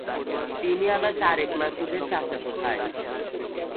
তিনি আবার তারেক মাসুদের চাচাতো ভাই।